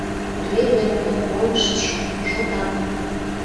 Рвезе мутым колыштшо, шотан.